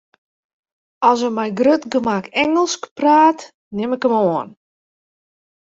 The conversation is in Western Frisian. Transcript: As er mei grut gemak Ingelsk praat, nim ik him oan.